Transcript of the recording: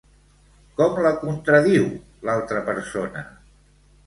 Com la contradiu, l'altra persona?